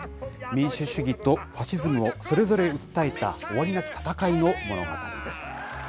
民主主義とファシズムをそれぞれ訴えた終わりなき闘いの物語です。